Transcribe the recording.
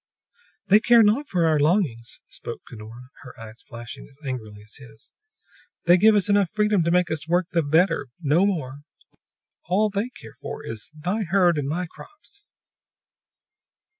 "They care not for our longings," spoke Cunora, her eyes flashing as angrily as his. "They give us enough freedom to make us work the better no more! All They care for is thy herd and my crops!"